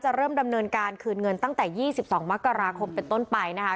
เริ่มดำเนินการคืนเงินตั้งแต่๒๒มกราคมเป็นต้นไปนะคะ